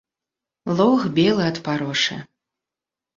Лог белы ад парошы.